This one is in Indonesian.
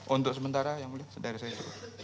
untuk sementara yang mulia sedari saya